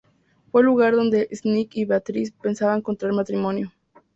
Fue el lugar donde Snicket y Beatrice pensaban contraer matrimonio.